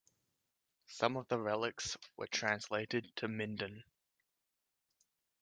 Some of the relics were translated to Minden.